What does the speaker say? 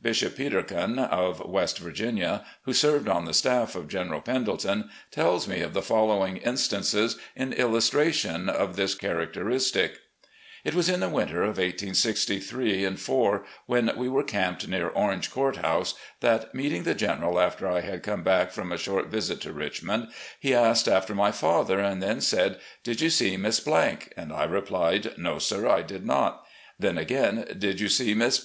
Bishop Peterkin, of West Virginia, who served on the staff of General Pendleton, tells me of the following instances, in illustration of this characteristic : "It was in the winter of 1863 4, when we were camped near Orange Court House, that, meeting the General after I had come back from a short visit to Richmond, he asked after my father, and then said, ' Did you see Miss ?' and I replied, 'No, sir; I did not.' Then again, 'Did you see Miss